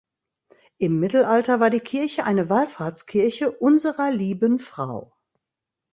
Im Mittelalter war die Kirche eine Wallfahrtskirche Unserer Lieben Frau.